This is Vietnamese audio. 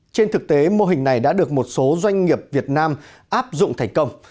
trên thực tế mô hình này đã được một số doanh nghiệp việt nam áp dụng thành công